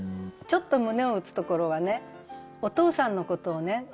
ちょっと胸を打つところはねお父さんのことをね